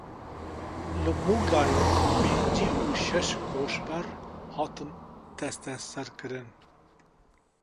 Li Muglayê pêncî û şeş koçber hatin desteserkirin.